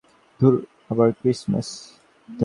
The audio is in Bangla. ধুর, আবার ক্রিসমাস!